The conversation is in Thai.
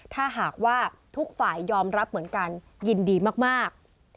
ถ้าหากว่าทุกฝ่ายยอมรับเหมือนกันยินดีมาก